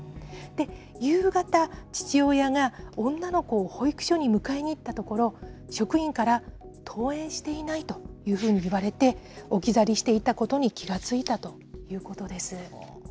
夕方、父親が、女の子を保育所に迎えに行ったところ、職員から登園していないというふうに言われて、置き去りしていたことに気が付いたということです。